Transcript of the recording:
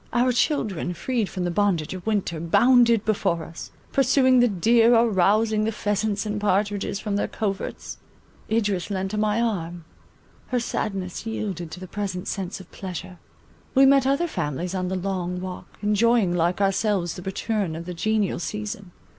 Our children, freed from the bondage of winter, bounded before us; pursuing the deer, or rousing the pheasants and partridges from their coverts. Idris leant on my arm; her sadness yielded to the present sense of pleasure. We met other families on the Long Walk, enjoying like ourselves the return of the genial season.